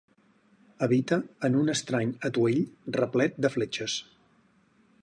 Habita en un estrany atuell replet de fletxes.